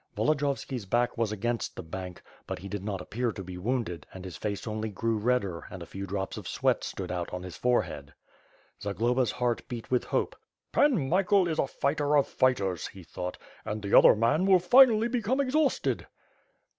Volodiyovski's back w^as against the bank, but he did not appear to be wounded and his face only grew redder and a few drops of sweat stood out on his forehead. Zagloba's heart beat with hope. "Pan Michael is a fighter of fighters," he thought, "and the other man will finally l)ecome exhausted."